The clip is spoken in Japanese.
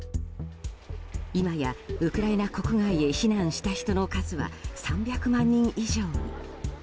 今やウクライナ国外へ避難した人の数は３００万人以上に。